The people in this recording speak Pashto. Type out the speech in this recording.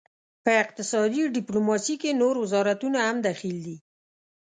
په اقتصادي ډیپلوماسي کې نور وزارتونه هم دخیل دي